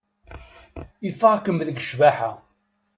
Ifeɣ-kem deg ccbaḥa.